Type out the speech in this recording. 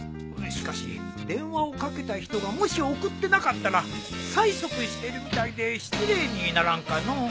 しかし電話をかけた人がもし送ってなかったら催促してるみたいで失礼にならんかのう。